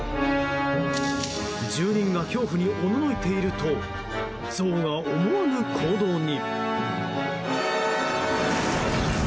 住人が恐怖におののいているとゾウが思わぬ行動に。